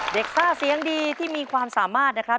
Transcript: ซ่าเสียงดีที่มีความสามารถนะครับ